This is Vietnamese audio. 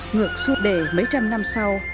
ngược suốt đề mấy trăm năm sau